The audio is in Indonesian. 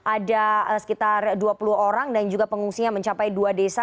ada sekitar dua puluh orang dan juga pengungsinya mencapai dua desa